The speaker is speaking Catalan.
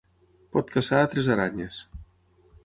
Pot caçar altres aranyes.